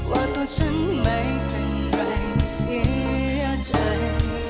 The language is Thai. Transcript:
ว่าตัวฉันเป็นไรไม่เสียใจ